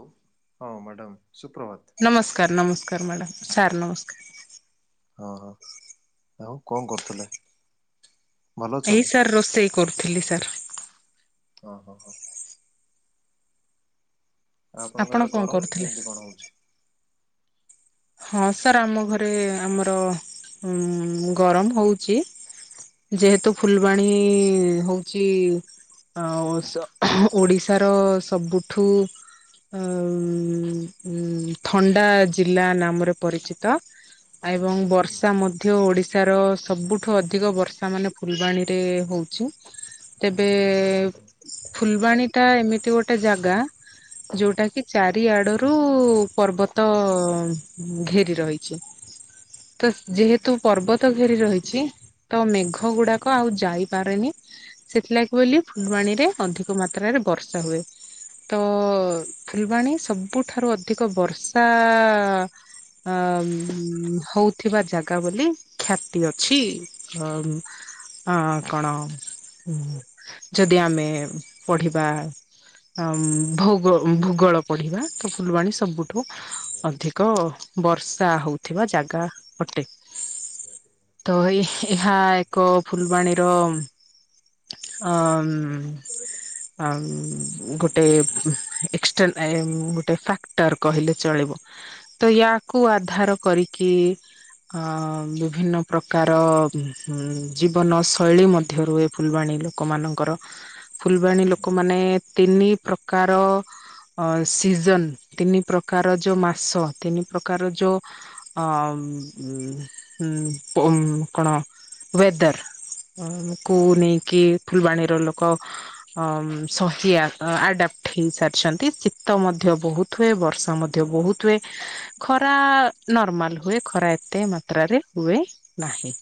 ହଉ ମାଡ଼ାମ ସୁପ୍ରଭାତ। ନମସ୍କାର ନମସ୍କାର ମାଡ଼ାମ୍ ସାର୍ ନମସ୍କାର। ଅଃ ଆଉ କଁ କରୁଥୁଲେ। ଏଇ ସାର୍ ରୋଷେଇ କରୁଥିଲି ସାର୍। [unintelligible] ଆଉ ଆପଣଙ୍କ ଆପଣ ଆଡ଼େ କଣ ଗରମ କରୁଥିଲେ? କେମିତି କଣ ହୋଉଛି। ହଁ ସାର୍ ଆମ ଘରେ ଆମର ଉଁ ଗରମ ହୋଉଚି। ଯେହେତୁ ଫୁଲବାଣୀ ହୋଉ ଚି [unintelligible] ଓଡିଶାର ସବୁଠୁ ଅଁ ଉଁ ଥଣ୍ଡା ଜିଲ୍ଲା ନାମରେ ପରିଚିତ। ଏବଂ ବର୍ଷା ମଧ୍ୟ ଓଡିଶାର ସବୁଠୁ ଅଧିକ ବର୍ଷା ମାନେ ଫୁଲବାଣୀରେ ହୋଉଛି ତେବେ ଫୁଲବାଣୀ ଟା ଏମିତି ଗୋଟେ ଜାଗା। ଯୋଉଟା କି ଚାରି ଆଡରୁ ପର୍ବତ ଘେରି ରହିଛି ତ ଯେହେତୁ ପର୍ବତ ଘେରି ରହିଛି। ତ ମେଘ ଗୁଡାକ ଆଉ ଯାଇପାରେନି। ସେଥିଲାଗି [unintelligible] ଫୁଲବାଣୀରେ ଅଧିକ ମାତ୍ରାରେ ବର୍ଷା ହୁଏ। ତ ଫୁଲବାଣୀ ସବୁଠାରୁ ଅଧିକ ବର୍ଷା ଆଁ ଉଁ ହୋଉଥିବା ଜାଗା ବୋଲି ଖ୍ୟାତି ଅଛି ଅମ୍ ଅଁ କଣ ହୁଁ ଯଦି ଆମେ ପଢିବା ଅମ୍ ଭୌଗ ଭୂଗୋଳ ପଢିବା ତ ଫୁଲବାଣୀ ସବୁ ଠୁ ଅଧିକ ବର୍ଷା ହୋଉଥିବା ଜାଗା ଅଟେ। ନିହାତି। ତ [unintelligible] ଏହା ଏକ ଫୁଲବାଣୀର ଅ ଉଁ ଅମ୍ ଗୋଟେ ଏକ୍ସଟେନ୍, ଏମ୍ ଗୋଟେ କା ଟାର୍ କହିଲେ ଚଳିବ। ତ ୟାକୁ, ଆଜ୍ଞା ଆଧାର କରିକି ଅଁ, ବିଭିନ୍ନ ପ୍ରକାର ହୁଁ, ଜୀବନ ଶୈଳୀ ମଧ୍ୟ ରୁ ଏ ଫୁଲବାଣୀ ଲୋକ ଙ୍କ ମାନଙ୍କର। ଫୁଲବାଣୀ ଲୋକମାନେ ତିନି ପ୍ରକାର ଅ ସିଜନ୍, ତିନି ପ୍ରକାର ଯୋଉ ମାସ। ତିନି ପ୍ରକାର ଯୋଉ ଅ ଉମ୍ ହୁଁ ପୁମ୍ କଣ? ୱେଦର ଉଁ କୁ ନେଇକି ଫୁଲବାଣୀର ଲୋକ ଅମ୍ ସହିଆ ଆଡାପ୍ଟ ହେଇସାର ଛନ୍ତି। ଶୀତ ମଧ୍ୟ ବହୁତ ହୁଏ, ବର୍ଷା ମଧ୍ୟ ବହୁତ ହୁଏ। ଖରା-ଆ ନର୍ମାଲ ହୁଏ, ଖରା ଏତେ ମାତ୍ରାରେ ହୁଏ ନାହିଁ।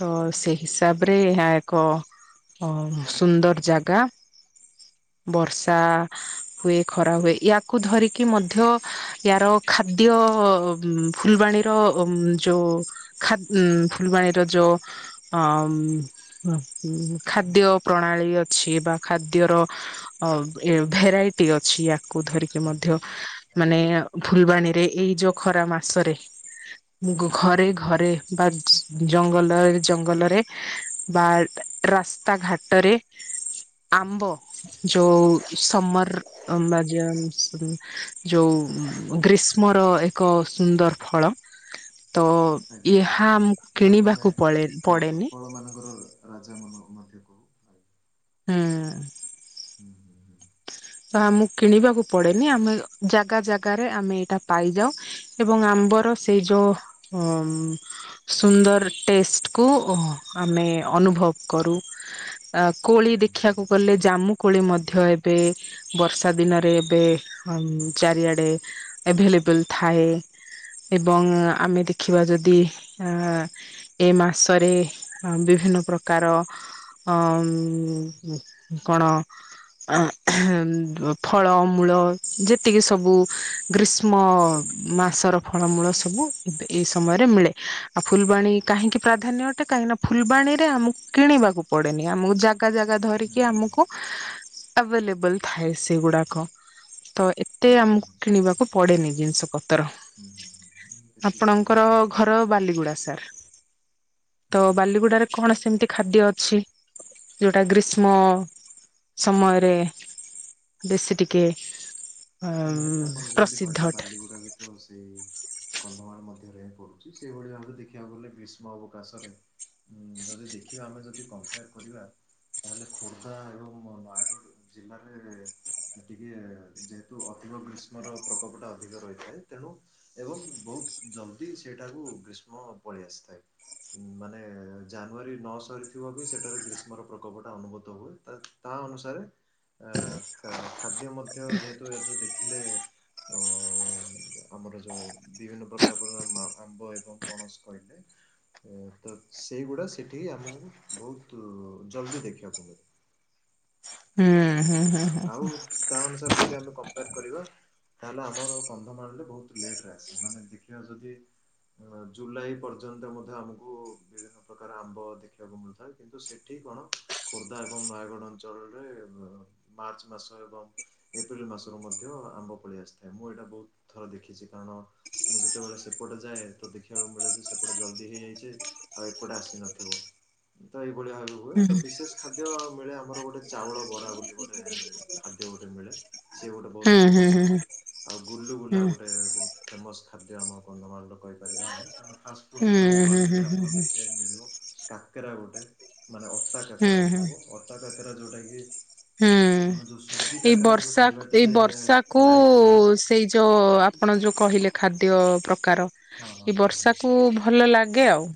ତ ସେ ହିସାବରେ ଏହା ଏକ ଅଁ ସୁନ୍ଦର ଜାଗା। ବର୍ଷା ହୁଏ, ଖରା ହୁଏ, ୟାକୁ ଧରିକି ମଧ୍ୟ ୟାର ଖାଦ୍ୟ-ଅ ଫୁଲବାଣୀର ଉମ୍ ଯୋ ଖାଦ୍ ଉଁ ଫୁଲବାଣୀର ଜୋ ଅମ୍ ଉଁ ହୁ, ଖାଦ୍ୟ ପ୍ରଣାଳୀ ଅଛି ବା ଖାଦ୍ୟର ଅ ଏ ଭେରାଇଟି ଅଛି, ୟା। କୁ ଧରିକି ମଧ୍ୟ ମାନେ, ଫୁଲବାଣୀରେ ଏଇ ଯୋଉ ଖରା ମାସରେ ଙ୍ଗୁ, ଘରେ, ଘରେ ବା ଜଙ୍ଗଲ, ଜଙ୍ଗଲରେ ବା ରାସ୍ତାଘାଟରେ ଆମ୍ବ, ଯଉ ସମର ଅମ୍ବା ଜମସ୍, ଯୋଉ ଉଁ ଉ ଗ୍ରୀଷ୍ମର ଏକ ସୁନ୍ଦର ଫଳ। ତ, ଆଜ୍ଞା ଆଜ୍ଞା ଏହା ଆମକୁ କିଣିବାକୁ ପଳେ ପଡେନି। ଫଳମାନଙ୍କର ରାଜା ମନୋମଧ୍ୟ କହୁ। ହୁଁ। ଉ, ହୁଁ। ହୁଁ ତ ଆମକୁ କିଣିବାକୁ ପଡେନି। ଆମେ ଜାଗା ଜାଗାରେ ଆମେ ଏଇଟା ପାଇଯାଉ। ଏବଂ ଆମ୍ବର ସେଇ ଯୋଉ ଅଂ ସୁନ୍ଦର ଟେଷ୍ଟ କୁ ଆମେ ଅନୁଭବ କରୁ। ଅ କୋଳି ହୁଁ ହୁଁ ହୁଁ ହୁଁ ଦେଖିଆକୁ ଗଲେ, ଜାମୁ କୋଳି ମଧ୍ୟ ଏବେ ବର୍ଷା ଦିନରେ ଏବେ ହଂ ଚାରିଆଡେ ଏଭେଲେବଲ୍ ଥାଏ ଏବଂ ଆମେ ଦେଖିବା ଯଦି ଅଁ ଏ ମାସରେ ବିଭିନ୍ନ ପ୍ରକାର ଅଁ ମ କଣ ଆଁ ଫଳମୂଳ ଯେତିକି ସବୁ ଗ୍ରୀଷ୍ମ ମାସର ଫଳମୂଳ ସବୁ ଏବେ ଏଇ ସମୟରେ ମିଳେ। ଆଉ ଫୁଲବାଣୀ କାହିଁକି, ପ୍ରାଧାନ୍ୟ ଅଟେ କାହିଁକି ନା ଫୁଲବାଣୀରେ ଆମକୁ କିଣିବାକୁ ପଡେନି। ଆମକୁ ଜାଗ୍ ଜା ଧରିକି ଆମକୁ ଆଭଲେବଲ୍ ଥାଏ ସେୁଗୁଡାକ। ତ ହୁଁ ହୁଁ ଏତେ ହୁଁ ଆମକୁ ହୁଁ କିଣିବାକୁ ପଡେନି, ଜିନିଷ ପତର। ହୁଁ ହୁଁ ହୁ ମତେ ଠିକ୍ କରେଦ। ଘର ବାଲିଗୁଡା ସାର୍ ତ ହୁଁ ହୁଁ ହୁଁ। ବାଲିଗୁଡାରେ କଣ ସେମିତି ଖାଦ୍ୟ ଅଛି, ଯଉଟା ଗ୍ରୀଷ୍ମ ସମୟରେ ବେଶୀ ଟିକେ ଅ ହଁ, ନିହାତି ଆପଣ ଯେମିତି ପ୍ରସିଦ୍ଧ କହିଲେ, ଅଟେ ବାଲିଗୁଡା ଭ ତ ସେଇ କନ୍ଧମାଳ ମଧ୍ୟରେ ହିଁ ପଡ଼ୁଛି ସେହିଭଳି ଭାବରେ ଦେଖିବାକୁ ଗଲେ ଗ୍ରୀଷ୍ମ ଅବକାଶରେ ଉଁ, ଯଦି ଦେଖିବା ଆମେ ଯଦି କମ୍ପେୟାର କରିବା ତାହେଲେ ଖୋର୍ଦ୍ଧା ଏବଂ ନୟାଗଡ଼ ଜିଲ୍ଲାରେ ଟିକେ ଯେ ତ ଅଧିକ ଗ୍ରୀଷ୍ମର ପ୍ରକୋପଟା ଅଧିକ ରହିଥାଏ ତେଣୁ ଏବଂ ବହୁତ ଜଲଦି ସେଇଟାକୁ ଗ୍ରୀଷ୍ମ ପଳେଇ ଆସିଥାଏ। ମାନେ ଜାନୁଆରୀ ନଶରି ଥିବ ବି ସେଠାରେ ଗ୍ରୀଷ୍ମର ପ୍ରକୋପଟା ଅନୁଭୂତ ହୁଏ। ତା ଅନୁସାରେ ଅ ଖା ଖାଦ୍ୟ ମଧ୍ୟ ଯେହେତୁ ଏରା ଯୋଉ ଦେଖିଲେ ଆଁ ଆମର ଯୋଉ ବିଭିନ୍ନ ପ୍ରକାର ଆମ୍ବ ଏବଂ ପଣସ କହିଲେ ଏ ତ ସେଇଗୁଡା ସେଠି ଆମକୁ ବହୁତ ଜଲଦି ଦେଖିବାକୁ ମିଳେ। ଆଉ ତା ଅନୁସାରେ ଯଦି ଆମେ କ ମ୍ପେୟାର କରିବା ତାହେଲେ ଆମର କନ୍ଧମାଳ ବହୁତ୍ ଲେଟରେ ଆସେ। ମାନେ ଦେଖିବା ଯଦି ଜୁଲାଇ ପର୍ଯ୍ୟନ୍ତ ମଧ୍ୟ ଆମକୁ ବିଭିନ୍ନ ପ୍ରକାର ଆମ୍ବ ଦେଖିବାକୁ ମିଳିଥାଏ କିନ୍ତୁ ସେ ଏଠି କଣ ଖୋର୍ଦ୍ଧା ଏବଂ ନୟାଗଡ ଅଞ୍ଚଳରେ ମାର୍ଚ୍ଚ ମାସ ଏବଂ ଏପ୍ରିଲ ମାସରୁ ମଧ୍ୟ ଆମ୍ବ ଫଳି ଆସିଥାଏ। ମୁଁ ଏଇଟା ବହୁତ ଥର ଦେଖିଛି କାରଣ ମୁଁ ସେତେବେଳେ ସେପଟେ ଯାଏ ତ ଦେଖିବାକୁ ମିଳେ ଯେ ସେପଟେ ଜଲ୍ଦି ହେଇଯାଇଛି। ଆଉ ଏପଟେ ଆସି ନଥିବ ତ ଏଇଭଳିଆ ଭାବ। ହୁଏ। ତ ବିଶେଷ ଖାଦ୍ୟ ମିଳେ ଆମର ଗୋଟେ ଚାଉଳ ବରା ବୋଲି ଗୋଟେ ଖାଦ୍ୟ ଗୋଟେ ମିଳେ। ସିଏ ଗୋଟେ ବହୁତ ଫେମସ୍ ଅଛି। ଆଉ ଗୁଲୁଗୁଲା ଗୋଟେ ବହୁତ ଫେମସ୍ ଖାଦ୍ୟ ଆମ କନ୍ଧମାଳର କହିପାରିବା ଆମେ କାରଣ ଫାଷ୍ଟ ଯୋଉ ଗଳିରେ ବି ଆପଣ ଦେଖିବା ମିଳିବ କାକେରା ଗୋଟେ ମାନେ ଅଟା କାକରା ହେଇଥିବ ଅଟା କାକରା ଯୋଉଟା କି ଆମେ ଯୋଉ ସ ଯି କାକରା ଯୋଉ ତା ଖାଇବା ଏଇ ଟିକେ ବର୍ଷାକୁ ଲାଇଟ୍ ରୁହେ ସେଇ ଯୋଉ ଆପଣ ଯୋଉ କହିଲେ ଖାଦ୍ୟ ପ୍ରକାର ହଁ ହଁ ଏଇ ହଁ ହଁ। ବର୍ଷାକୁ ଭଲ ଲାଗେ ଆଉ।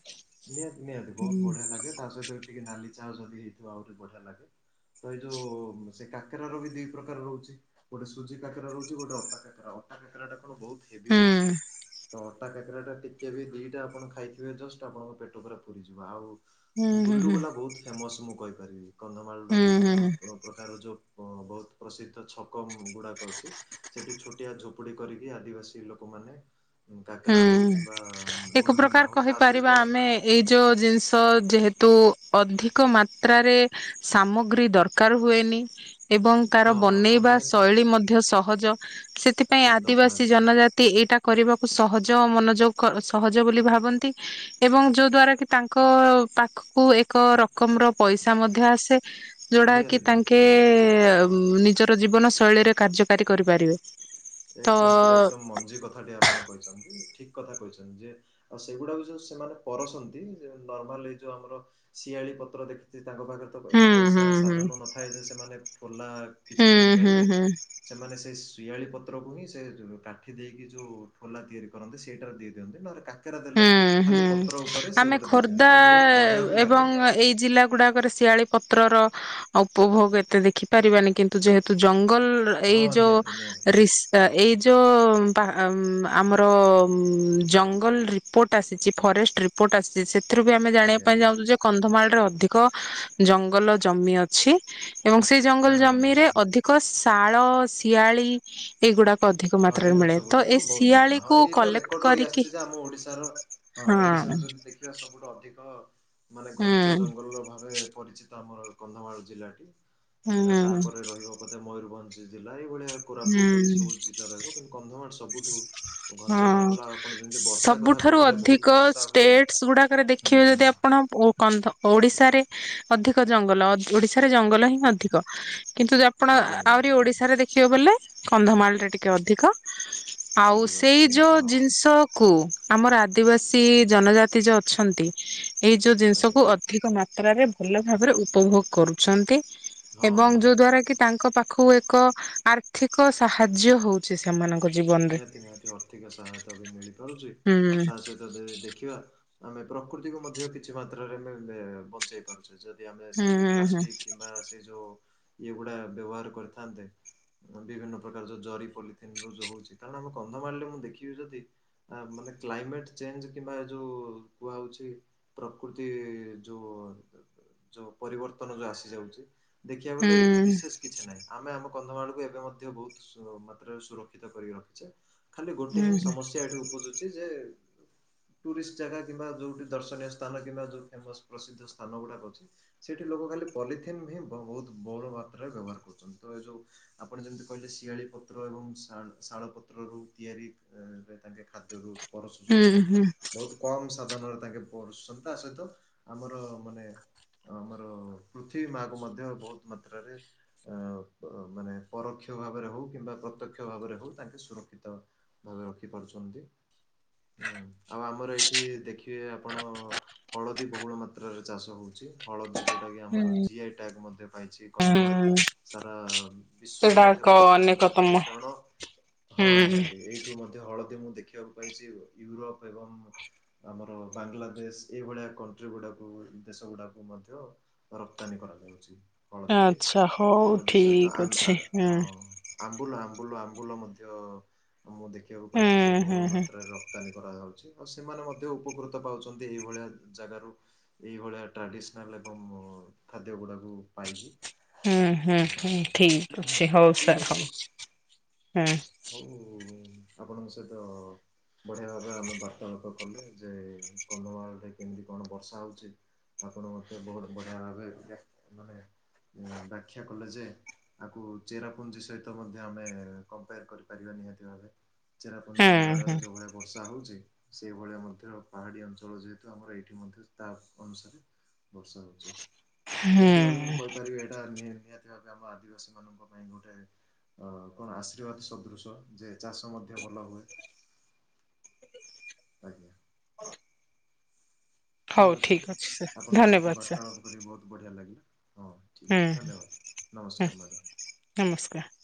ନିହାତି ନିହାତି ବହୁତ ହୁଁ ବଢିଆ ଲାଗେ ତା ସହିତ ଟିକେ ନାଲି ଚାହା ଯଦି ହେଇଥିବ ଆହୁରି ବଢିଆ ଲାଗେ। ତ ଏଇ ଯୋଉ ସେ କାକେର ର ବି ଦି ପ୍ରକାର ରହୁଛି। ଗୋଟେ ସୁଜି କାକେରା ରହୁଛି ଗୋଟେ ଅଟା କାକେରା ରହୁଛି। ଅଟା କାକେରା ଟା କଣ ବହୁତ ହେଭି ରହୁଛି ହୁଁ ତ ଅଟା କାକେରା ଟା ଟିକେ ବି ଦିଟା ଆପଣ ଖାଇଥିବେ ଜଷ୍ଟ ଆପଣଙ୍କ ପେଟ ପୁରା ପୁରିଯିବ ଆଉ ହୁଁ ହୁଁ ଗୁଲୁଗୁଲା ବହୁତ ଫେମସ ମୁଁ କହିପାରିବି। କନ୍ଧମାଳର ହୁଁ ହୁଁ ହୁଁ ବିଭିନ୍ନ ପ୍ରକାର ଯେଉଁ ବହୁତ ପ୍ରସିଦ୍ଧ ଛକ ଗୁଡ଼ାକ ଅଛି। ସେଠି ଛୋଟିଆ ଝୋପୁଡି କରିକି ଆଦିବାସୀ ଲୋକମାନେ ହୁଁ କାକରା ହଉ ହୁଁ କିମ୍ବା ଗୁଲଗୁଲା ହଉ ତା ସହିତ ମାନେ ଏଇ ଯୋଉ ଜିନିଷ ଯେହେତୁ ଅଧିକ ମାତ୍ରାରେ ସାମଗ୍ରୀ ଦରକାର ହୁଏନି ଏବଂ ତାର ହଁ ହଁ ହଁ ବନେଇବା ନିହାତି। ଶୈଳୀ ମଧ୍ୟ ସହଜ ସେଥିପାଇଁ ଏକଦମ ଆଦିବାସୀ ଏକଦମ ଜନଜାତି ତି ଏଇଟା କରିବାକୁ ସହଜ ମନୋଯୋଗ କ ସହଜ ବୋଲି ଭାବନ୍ତି। ଏବଂ ଯୋଉ ଦ୍ଵାରା କି ତାଙ୍କ ପାଖକୁ ଏକ ରକମ ର ପଇସା ମଧ୍ୟ ଆସେ। ଯୋଉଡା ନିହାତି କି ନିହାତି ତାଙ୍କେ ହଁ ଜି ହଁ। ନିଜ ର ଜୀବନ ଶୈଳୀରେ କାର୍ଯ୍ୟକାରୀ କରିପାରିବେ। ତ ଏକଦମ ପୁରା ଏକଦମ ମଞ୍ଜି କଥା ଟି ଆପଣ କହିଛନ୍ତି ଠିକ କଥା କହିଛନ୍ତି ଯେ ଆଉ ସେଇଗୁଡା ଯୋଉ ସେମାନେ ପରସନ୍ତି ନର୍ମାଲ ଏଇ ଯୋଉ ଆମର ଶିଆଳି ପତ୍ର ଦେଖିଥିବେ ତାଙ୍କ ପାଖରେ ତ ଏତେ ହୁଁ ଏତେ ହୁଁ ପଇସା ହୁଁ। ସାଧନ ନଥାଏ ଯେ ସେମାନେ ଠୋଲା ହୁଁ କିଛି କିଣି ହୁଁ ପାରିବେ। ହୁଁ। ସେମାନେ ସେଇ ଶିଆଳି ପତ୍ର ତ୍ରକୁ ହିଁ ସେ କାଠି ଦେଇକି ଯୋଉ ଠୋଲା ତିଆରି କରନ୍ତି ସେଇଟା ଦେଇ ଦିଅନ୍ତି ନହଲେ କ କେରା ଦେଲେ ହୁଁ ହୁଁ ଖାଲି ପତ୍ର ଉପରେ ସିଏ ଗୋଟେ ଦେଇଦିଅନ୍ତି। ଆଉ ବହୁତ ବଢିଆ ବି ଲାଗେ। ହଁ ଏଇ ଜିଲ୍ଲା ଗୁଡାକରେ ଶିଆଳି ପତ୍ରର ଉପଭୋଗ ଏତେ ଦେଖିପାରିବାନି କିନ୍ତୁ ଯେହେତୁ ଜଙ୍ଗଲ ଏଇ ହଁ ଯୋଉ ନିହାତି ନିହାତି ତ ଏଇ ଯୋଉ ଆମର ଜଙ୍ଗଲ ରେ ରିପୋର୍ଟ ଆସିଛି ଫରେଷ୍ଟ ରିପୋର୍ଟ ଆସିଛି ସେଥିରୁ ବି ଆମେ ଜାିବା ଆଜ୍ଞା ପାଇଁ ଆଜ୍ଞା ଚାଉଛୁ ଯେ କନ୍ଧମାଳ ରେ ଅଧିକ ଜଙ୍ଗଲ ଜମି ଅଛି। ଏବଂ ସେ ଜଙ୍ଗଲ ହୁଁ ହୁଁ ହୁଁ ଜମିରେ ହୁଁ। ଅଧିକ ଶାଳ ଶିଆଳି ଏଇଗୁଡାକ ଅଧିକ ହଁ ଏଇ ମାତ୍ରାରେ ମିଳେ ଗଛ ତ ଗୁଡାକ ଏଇ ବହୁତ ଦେଖିବା ହଁ ଶିଆଳିକୁ ଏଇ ତ କଲେକ୍ଟ ରେକର୍ଡ ରହି କରିକି ଆସିଛି ଯେ ଆମ ଓଡିଶାର ହଁ ଓଡିଶାର ଯଦି ଦେଖିବା ସବୁଠୁ ଅଧିକ ମାନେ ଘଞ୍ଚ ହୁଁ ଜଙ୍ଗଲ ଭାବେ ପରିଚି ତ ଆମର କନ୍ଧମାଳ ଜିଲ୍ଲାଟି। ହୁଁ ହୁଁ ତାପରେ ରହିବ ବୋଧେ ମୟୂରଭଞ୍ଜ ଜିଲ୍ଲା ଏଇଭଳିଆ କୋରାପୁଟ ଏଇ ସବୁୁ ଜିଲ୍ଲା ରହିବ କିନ୍ତୁ କନ୍ଧମାଳ ସବୁଠୁ ଘଞ୍ଚ ହଁ ଜଙ୍ଗଲ ଆଉ ଆପଣ ଯେମିତି ବର୍ଷା କଥା ସବୁଠାରୁ କହୁଥିଲେ ବହୁତ ଅଧିକ ବର୍ଷା ହୁଏ। ଷ୍ଟେଟ ଗୁଡାକରେ ହୁଁ ଦେଖିବେ ହୁଁ ଯଦି ଆପଣ କନ୍ଧ ଓଡ଼ିଶାରେ ଅଧିକ ଜଙ୍ଗଲ ଓଡିଶାରେ ଜଙ୍ଗଲ ହିଁ ଅଧିକ। କିନ୍ତୁ ଆପଣ ଆଜ୍ଞା ଆଜ୍ଞା ଆହୁରି ହୁଁ ଓଡିଶାରେ ଦେଖିବେ ବୋଲେ କନ୍ଧମାଳରେ ଟିକେ ଅଧିକ। ଅଧିକ ଅଧିକ ଏଇ ନିହାତି ଯୋଉ ହଁ ଜିନିଷ କୁ ଆମର ଆଦିବାସୀ ହୁଁ ହୁଁ ଜନଜାତି ଯୋଉ ଅଛନ୍ତି। ଏଇ ଯୋଉ ଜିନିଷ ଆଜ୍ଞା। କୁ ଅଧିକ ମାତ୍ରାରେ ଭଲ ଭାବରେ ଉପଭୋଗ କରୁଛନ୍ତି। ହଁ ଏବଂ ଯୋଉ ନିହାତି। ଦ୍ଵାରା କି ତାଙ୍କ ପାଖକୁ ଏକ ଆର୍ଥିକ ସାହାଯ୍ୟ ହଉ ସେ ସେମାନଙ୍କ ଜୀବନ ନିହାତି ନିହାତି ଅର୍ଥିକ ସହାୟତା ବି ମିଳିପାରୁଛି ତା ସହିତ ତ ଦେଖିବା ଆମେ ପ୍ରକୃତିକୁ ମଧ୍ୟ କିଛି ମାତ୍ରାରେ ଆମେ ବଞ୍ଚେଇ ପାରୁ ଯଦି ଆମେ ସେଇ ପ୍ଲାଷ୍ଟିକ୍ କିମ୍ବା ସେ ଯଉ ଇଏଗୁଡା ବ୍ୟବହାର କରିଥାନ୍ତେ ବିଭିନ୍ନ ପ୍ରକାର ଯୋଉ ଜରି ପଲିଥିିନ ର ଯୋଉ ହଉଛି କାରଣ ଆମେ କନ୍ଧ ମାରିଲେ ମୁଁ ଦେଖିବି ଯଦି ମାନେ କ୍ଲାଇମେଟ ଚେଞ୍ଜ କିମ୍ବା ଯୋଉ କୁହା ହଉଛି ପ୍ରକୃତି ଯୋଉ ଯୋଉ ପରିବର୍ତ୍ତନ ଯୋଉ ଆସି ଯାଉଛି ଦେଖିବାକୁ ବଲେ ବିଶେଷ କିଛି ନହିଁ ଆମେ ଆମ କନ୍ଧମାଳକୁ ଏବେ ମଧ୍ୟ ବହୁତ ମାତ୍ରାରେ ସୁରକ୍ଷିତ କରିକି ରଖିଛେ। ଖାଲି ଗୋଟେ ହିଁ ସେଇଟା ସମସ୍ୟା ଏଠି ଉପୁଜୁଛି ଯେ ଟୁରିଷ୍ଟ ଜାଗା କିମ୍ବା ଯେଉଁଠି ଦର୍ଶନୀୟ ସ୍ଥାନ କିମ୍ବା ଯେଉଁ ଫେମସ୍ ପ୍ରସିଦ୍ଧ ସ୍ଥାନ ଗୁଡ଼ାକ ଅଛି ସେଇଠି ଲୋକ ଖାଲି ପଲିଥିନ୍ ହଁ ବହୁତ ବହୁ ମାତ୍ରାରେ ବ୍ୟବହାର କରୁଛନ୍ତି। ତ ଏ ଯୋଉ ଆପଣ ଯେମିତି କହିଲେ ଶିଆଳି ପତ୍ର ଏବଂ ଶାଳ ପ ତ୍ରା ରୁ ତିଆରି ତାଙ୍କେ ଖାଦ୍ୟରୁ ପରସୁଛନ୍ତି ବହୁତ କମ ସାଧନରେ ତାଙ୍କେ ପସୁଛନ୍ତି ତା ସହିତ ଆମର ମାନେ ଆମର ପୃଥିବୀ ମାକୁ ମଧ୍ୟ ବହୁତ ମାତ୍ରାରେ ଅ ମାନେ ପରୋକ୍ଷ ଭାବରେ ହଉ କିମ୍ବା ପ୍ରତ୍ୟକ୍ଷ ଭାବରେ ହଉ ତାଙ୍କେ ସୁରକ୍ଷ ଭାବେ ରଖିପାରୁଛନ୍ତି। ହୁଁ ଆଉ ଆମର ଏଇଠି ଦେଖିବେ ଆପଣ ହଳଦୀ ବହୁଳ ମାତ୍ରାରେ ଚାଷ ହଉଛି। ହଳଦୀ ଯୋଉଟା କି ଆମର ଜି ଆଇ ତ୍ୟାଗ ମଧ୍ୟ ପାଇଛି କନ୍ଧମାଳ ସାରା ବିଶ୍ୱରେ ମଧ୍ୟ ଏକ ପ୍ରସିଦ୍ଧ ଆମେ ଅନେକତମ କହିପାରିବା। କାରଣ ହଁ ହୁଁ ନିହାତି ଏଇଠୁ ମଧ୍ୟ ହଳଦୀ ମୁଁ ଦେଖିବାକୁ ପାଇଛି ୟୁରୋପ ଏବଂ ଆମର ବାଂଲାଦେଶ ଏଇଭଳିଆ କଣ୍ଟ୍ରି ଗୁଡ଼ାକୁ ଦେଶ ଗୁଡ଼ାକୁ ମଧ୍ୟ ରପ୍ତାନୀ କରାଯାଉଛି ହଳଦୀଟି। ଆଚ୍ଛା ହଉ ହଳଦୀ ସହିତ ଠିକ ଅଛି [unintelligible] ହୁଁ ହଁ ଆମ୍ବୁଲ ଆମ୍ବୁଲ ଆମ୍ବୁଲ ମଧ୍ୟ ମୁଁ ଦେଖିବାକୁ ହୁଁ ପାଇଛି ଯେ ହୁଁ ବହୁଳ ହୁଁ। ମାତ୍ରାରେ ରକ୍ ରୁପ୍ତାନୀ କରାଯାଉଛି ଆଉ ସେମାନେ ମଧ୍ୟ ଉପକୃତ ପାଉଛନ୍ତି ଏଇଭଳିଆ ଜାଗାରୁ ଏଇଭଳିଆ ଟ୍ରାଡିସନାଲ ଏବଂ ଖାଦ୍ୟ ଗୁଡ଼ାକୁ ପାଇକି। ହୁଁ ହୁଁ ହୁଁ ଠିକ ଅଛି ହଉ ଠିକ୍ ସାର୍ ଅଛି ହଉ। ହୁଁ ହଉ ଆପଣଙ୍କ ସହିତ ବଢିଆ ଭାରେ ଆମେ ବାର୍ତ୍ତାଳାପ କଲେ ଯେ କନ୍ଧମାଳରେ କେମିତି କଣ ବର୍ଷା ହଉଛି। ଆପଣ ମତେ ବହୁତ ବଢିଆ ଭାବେ ମାନେ ବ୍ୟାଖ୍ୟା କଲେ ଯେ ଆକୁ ଚେରା ପୁଞ୍ଜି ସହିତ ମଧ୍ୟ ଆମେ କମ୍ପେୟାର କରିପାରିବା ନିହାତି ଭାବେ ହୁଁ ଚେରାପଞ୍ଜି ହୁଁ ମୋଘାଳୟର ଯୋଉ ଭଳି ବର୍ଷା ହଉଛି ସେଇଭଳିଆ ମଧ୍ୟ ପାହାଡି ଅଞ୍ଚଳ ଯେହେତୁ ଆମର ଏଇଠି ମଧ୍ୟ ତା ଅ ଅନୁସାରେ ବର୍ଷା ହେଉଛି ନିହାତି ଭାବେ ମୁଁ ହୁଁ। କହିପାରିବି ଏଇଟା ନିହାତି ଭାବେ ଆମ ଆଦିବାସୀ ମାନଙ୍କ ପାଇଁ ଗୋଟେ ଅ କଣ ଆଶୀର୍ବାଦ ସଦୃଶ ଯେ ଚାଷ ମଧ୍ୟ ଭଲ ହୁଏ। ଆଜ୍ଞା ହଉ ଠିକ୍ ଅଛି ଠିକ ସାର୍ ଆପଣଙ୍କ ସହିତ ଧନ୍ୟବାଦ ସାର୍ ବାର୍ତ୍ତାଳାପ କରିକି ବହୁତ ବଢ଼ିଆ ଲାଗିଲା ହଁ। ଠିକ୍ ଅଛି ହଁ ଧନ୍ୟବାଦ ନମସ୍କାର ମ୍ୟାଡ଼ାମ୍। ହଁ ନମସ୍କାର୍